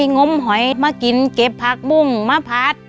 งมหอยมากินเก็บผักบุ้งมะพรัด